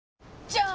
じゃーん！